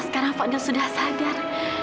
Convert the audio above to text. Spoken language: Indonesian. sekarang fadli sudah sadar